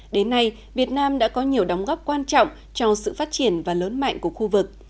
đến nay việt nam đã có nhiều đóng góp quan trọng cho sự phát triển và lớn mạnh của khu vực